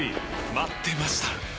待ってました！